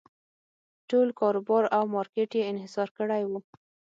ټول کاروبار او مارکېټ یې انحصار کړی و.